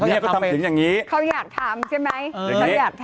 เขาอยากทำเสียงอย่างนี้